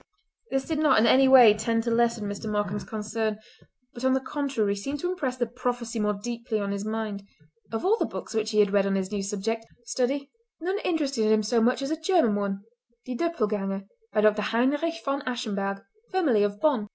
This did not in any way tend to lessen Mr. Markam's concern, but on the contrary seemed to impress the prophecy more deeply on his mind. Of all the books which he had read on his new subject of study none interested him so much as a German one Die Döppleganger, by Dr. Heinrich von Aschenberg, formerly of Bonn.